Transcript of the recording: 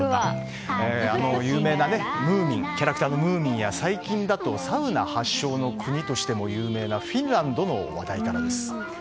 あの有名なキャラクターのムーミンや最近だとサウナ発祥の国として有名なフィンランドの話題からです。